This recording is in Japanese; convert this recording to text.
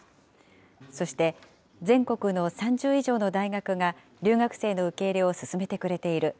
そして全国の３０以上の大学が留学生の受け入れを進めてくれている。